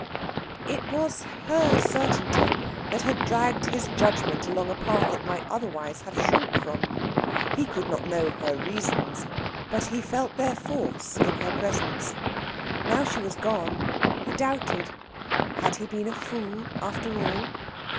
It was her certainty that had dragged his judgment along a path it might otherwise have shrunk from. He could not know her reasons, but he felt their force in her presence. Now she was gone, he doubted. Had he been a fool after all?